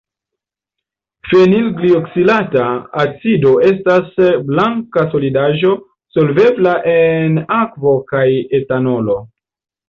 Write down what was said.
Fenilglioksilata acido estas blanka solidaĵo, solvebla en akvo kaj etanolo.